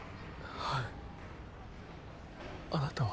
はいあなたは？